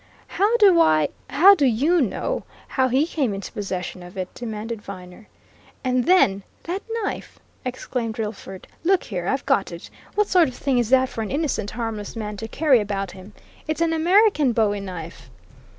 "How do I how do you know how he came into possession of it?" demanded Viner. "And then that knife!" exclaimed Drillford. "Look here! I've got it. What sort of thing is that for an innocent, harmless man to carry about him? It's an American bowie knife!"